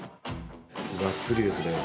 がっつりですね。